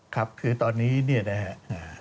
ครับคือตอนนี้เนี่ยนะครับ